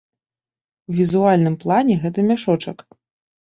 У візуальным плане гэта мяшочак.